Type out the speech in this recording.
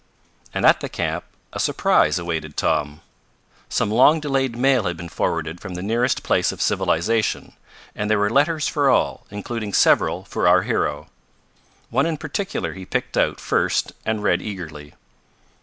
And at the camp a surprise awaited Tom. Some long delayed mail had been forwarded from the nearest place of civilization and there were letters for all, including several for our hero. One in particular he picked out first and read eagerly.